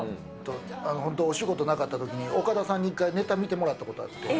本当、お仕事なかったときに、岡田さんに一回、ネタ見てもらったことがあって。